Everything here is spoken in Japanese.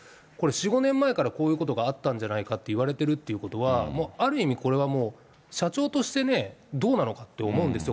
４、５年前からこういうことがあったんじゃないかって言われてるってことは、もうある意味、これはもう、社長としてね、どうなのかって思うんですよ。